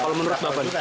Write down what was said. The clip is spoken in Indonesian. kalau menurut bapak